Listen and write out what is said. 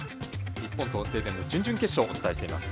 日本とスウェーデンの準々決勝をお伝えしています。